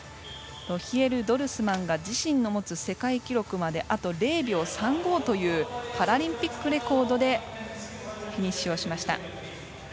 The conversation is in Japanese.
ロヒエル・ドルスマンが自身の持つ世界記録まであと０秒３５というパラリンピックレコードでフィニッシュをしました。